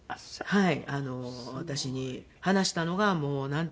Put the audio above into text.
はい。